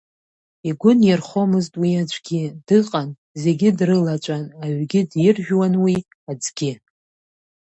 Игәы нирхомызт уи аӡәгьы, дыҟан зегьы дрылаҵәан, аҩгьы диржәуан уи, аӡгьы…